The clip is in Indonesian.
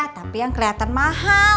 tapi yang kelihatan mahal